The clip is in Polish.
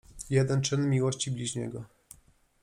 Jeden czyn miłości bliźniego.